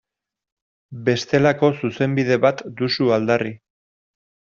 Bestelako Zuzenbide bat duzu aldarri.